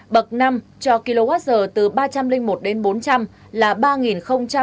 bậc năm cho kwh từ ba trăm linh một đến bốn trăm linh là hai bảy trăm hai mươi chín đồng một kwh